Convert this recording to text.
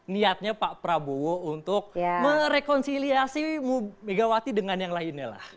niatnya pak prabowo untuk merekonsiliasi megawati dengan yang lainnya lah